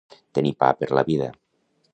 Tenir pa per la vida.